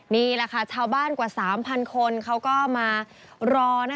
นี่แหละค่ะชาวบ้านกว่า๓๐๐คนเขาก็มารอ